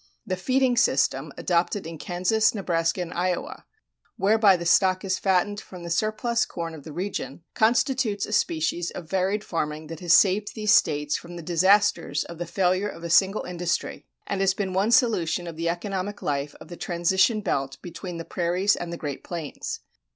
The "feeding system" adopted in Kansas, Nebraska, and Iowa, whereby the stock is fattened from the surplus corn of the region, constitutes a species of varied farming that has saved these States from the disasters of the failure of a single industry, and has been one solution of the economic life of the transition belt between the prairies and the Great Plains.